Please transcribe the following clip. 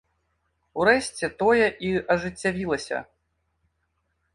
Урэшце тое і ажыццявілася.